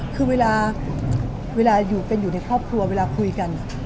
คือเวลาอยู่กันอยู่ในครอบครัวเวลาคุยกัน